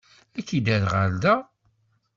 Ad k-id-rreɣ ɣer da.